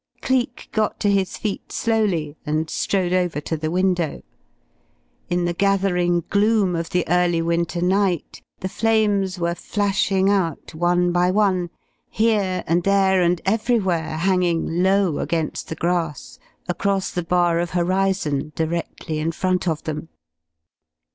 Cleek got to his feet slowly, and strode over to the window. In the gathering gloom of the early winter night, the flames were flashing out one by one, here and there and everywhere hanging low against the grass across the bar of horizon directly in front of them.